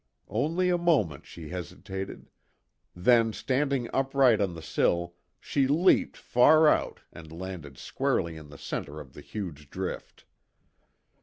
Only a moment she hesitated, then standing upright on the sill, she leaped far out and landed squarely in the centre of the huge drift.